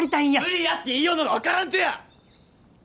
無理やって言いようのが分からんとや！